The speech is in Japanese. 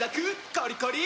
コリコリ！